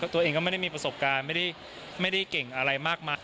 ตัวเองก็ไม่ได้มีประสบการณ์ไม่ได้เก่งอะไรมากมาย